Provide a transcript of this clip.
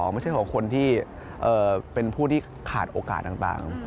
ไม่ใช่ของคนที่เป็นผู้ที่ขาดโอกาสต่าง